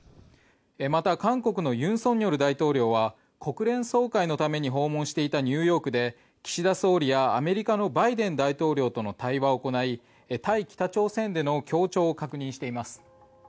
また、韓国の尹錫悦大統領は国連総会のため訪問していたニューヨークで岸田総理やアメリカのバイデン大統領との対話を行い、対北朝鮮での協調を確認しています。